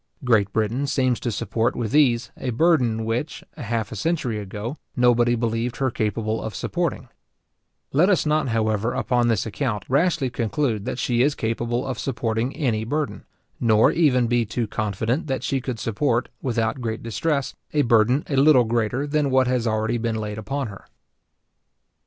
Great Britain seems to support with ease, a burden which, half a century ago, nobody believed her capable of supporting, Let us not, however, upon this account, rashly conclude that she is capable of supporting any burden; nor even be too confident that she could support, without great distress, a burden a little greater than what has already been laid upon her.